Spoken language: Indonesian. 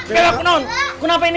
bella kenapa ini